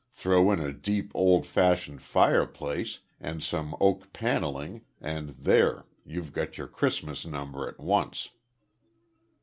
Throw in a deep old fashioned fireplace and some oak panelling and there you've got your Christmas number at once."